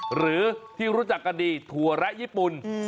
หรือที่รู้จักกันดีถั่วแระญี่ปุ่น